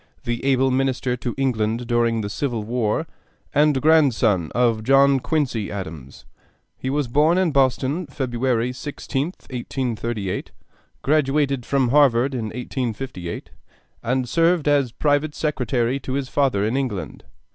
the able Minister to England during the Civil War, and grandson of John Quincy Adams. He was born in Boston, February 16th, 1838, graduated from Harvard in 1858, and served as private secretary to his father in England.